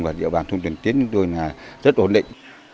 và địa bàn thông tin tiến